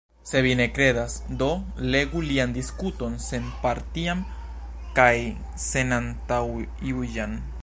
Se vi ne kredas, do legu lian diskuton senpartian kaj senantaŭjuĝan.